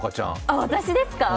私ですか？